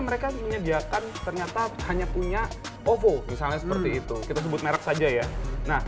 mereka menyediakan ternyata hanya punya ovo misalnya seperti itu kita sebut merek saja ya nah